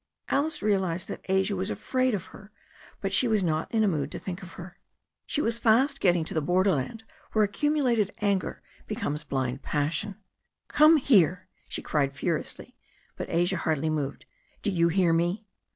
Alice realized that Asia was afraid of her, but she was not in a mood to think of her. She was fast getting to the borderland where accumulated anger becomes blind pas sion. "Come here," she cried furiously. But Asia hardly moved. "Do you hear me